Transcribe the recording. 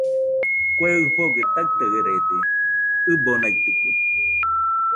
Kue ifɨgɨ taɨtarede, ɨbonaitɨkue